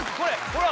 ほら！